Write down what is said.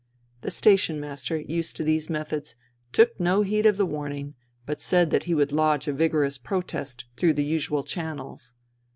The station master, used to these methods, took no heed of the warning, but said that he would lodge a vigorous protest through the usual channels.